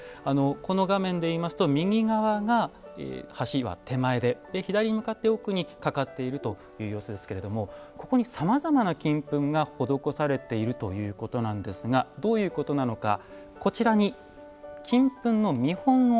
この画面で言いますと右側が橋は手前で左に向かって奥に架かっているという様子ですけれどもここにさまざまな金粉が施されているということなんですがどういうことなのかこちらに金粉の見本をお借りしました。